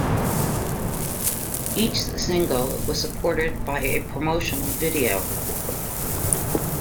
Each single was supported by a promotional video.